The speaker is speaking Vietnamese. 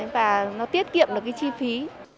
và nó tiết kiệm được cái chi phí